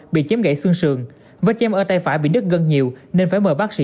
bị chém gãy xương sườn vết chém ở tay phải bị đứt gân nhiều nên phải mời bác sĩ